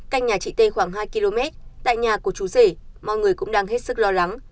cách nhà chị t khoảng hai km tại nhà của chú rể mọi người cũng đang hết sức lo lắng